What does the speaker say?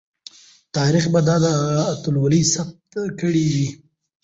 تاریخ به دا اتلولي ثبت کړې وي.